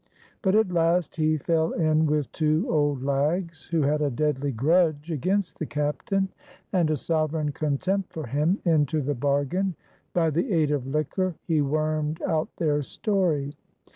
But at last he fell in with two old lags, who had a deadly grudge against the captain, and a sovereign contempt for him into the bargain. By the aid of liquor he wormed out their story.